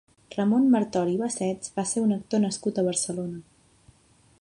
Ramon Martori i Bassets va ser un actor nascut a Barcelona.